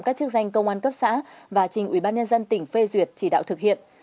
các chức danh công an cấp xã và trình ủy ban nhân dân tỉnh phê duyệt chỉ đạo thực hiện